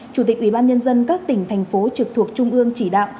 chủ tịch ubnd các tỉnh thành phố trực thuộc trung ương chỉ đạo